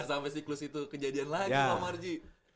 sampai siklus itu kejadian lagi pak marji